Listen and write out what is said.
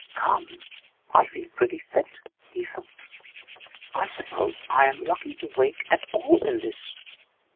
'Come, I feel pretty fit,' he thought. 'I suppose I am lucky to wake at all in this.